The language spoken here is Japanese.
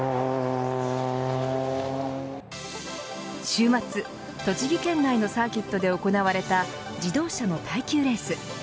週末、栃木県内のサーキットで行われた自動車の耐久レース。